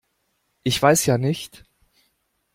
Ich weiß ja nicht.